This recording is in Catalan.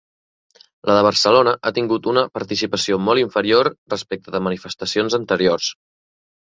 La de Barcelona ha tingut una participació molt inferior respecte de manifestacions anteriors.